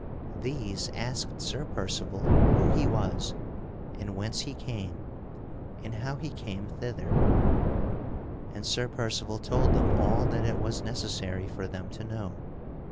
These asked Sir Percival who he was and whence he came and how he came thither; and Sir Percival told them all that it was necessary for them to know.